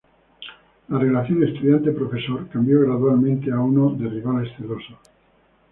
La relación estudiante-profesor cambió gradualmente a uno de rivales celosos.